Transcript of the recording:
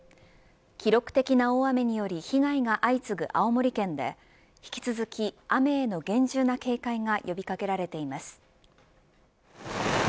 記録的な大雨により被害が相次ぐ青森県で引き続き、雨への厳重な警戒が呼び掛けられています。